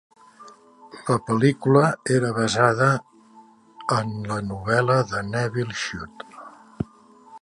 La pel·lícula era basada en la novel·la de Nevil Shute.